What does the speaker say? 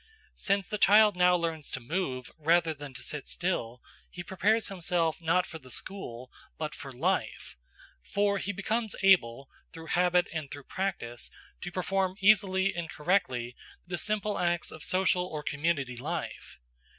Since the child now learns to move rather than to sit still, he prepares himself not for the school, but for life; for he becomes able, through habit and through practice, to perform easily and correctly the simple acts of social or community life.